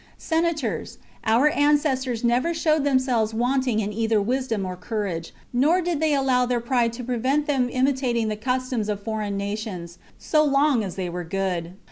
" Senators, our ancestors never showed themselves wanting in either wisdom or courage, nor did they allow their pride to prevent them imitating the cus toms of foreign nations, so long as they were good.